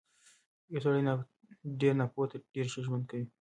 پوه سړی تر ناپوهه ډېر ښه ژوند کوي.